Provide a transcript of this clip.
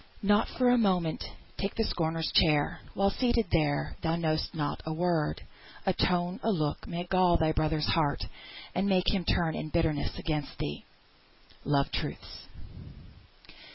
"Not for a moment take the scorner's chair; While seated there, thou know'st not how a word, A tone, a look, may gall thy brother's heart, And make him turn in bitterness against thee." "LOVE TRUTHS."